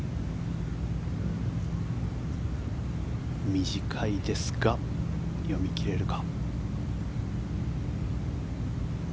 短いですが読み切れるか。